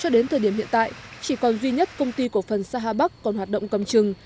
đến hiện tại chỉ còn duy nhất công ty của phần xa hà bắc còn hoạt động cầm chừng